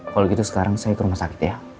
kalau gitu sekarang saya ke rumah sakit ya